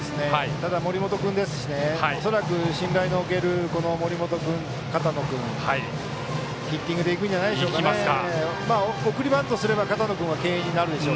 森本君ですし恐らく信頼の置ける森本君、片野君ヒッティングでいくんじゃないでしょうかね。